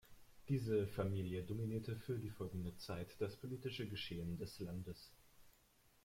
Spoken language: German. Diese Familie dominierte für die folgende Zeit das politische Geschehen des Landes.